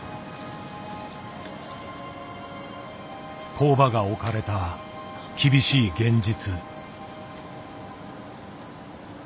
工場が置かれた厳しい現実。